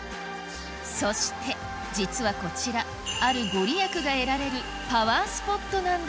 そして実はこちらあるご利益が得られるパワースポットなんだ